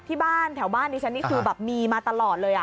ที่บ้านแถวบ้านดิฉันนี่คือแบบมีมาตลอดเลย